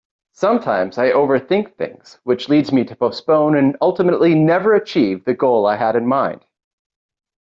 Sometimes I overthink things which leads me to postpone and ultimately never achieve the goal I had in mind.